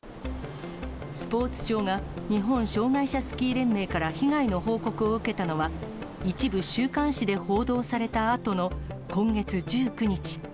スポーツ庁が、日本障害者スキー連盟から被害の報告を受けたのは、一部週刊誌で報道されたあとの今月１９日。